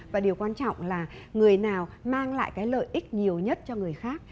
và điều quan trọng là người nào mang lại cái lợi ích nhiều nhất cho người khác